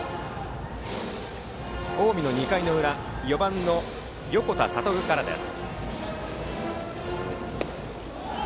近江の２回の裏４番の横田悟からです。